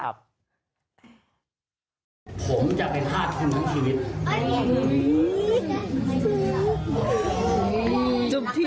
ผมจะไปทาทุนทีวิต